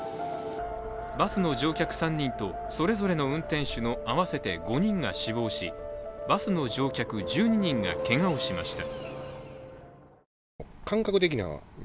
バスの乗客３人とそれぞれの運転手の合わせて５人が死亡し、バスの乗客１２人がけがをしました。